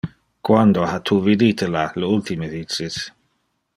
Quando ha tu vidite illa le ultime vices?